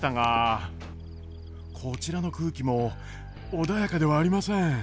こちらの空気も穏やかではありません。